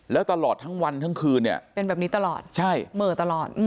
แล้วตลอดทั้งวันทั้งคืนเนี่ยเป็นแบบนี้ตลอดใช่เหม่อตลอด